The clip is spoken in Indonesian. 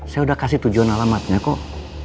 saya udah kasih tujuan alamatnya kok